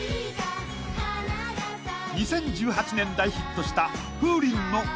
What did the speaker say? ［２０１８年大ヒットした］